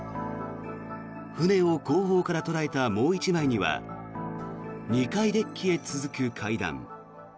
船を後方から捉えたもう１枚には２階デッキへ続く階段。